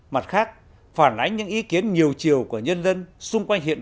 mặt khác phản ánh những ý kiến nhiều chiều của nhân dân xung quanh hiện